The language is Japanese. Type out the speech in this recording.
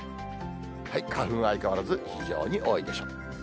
花粉は相変わらず、非常に多いでしょう。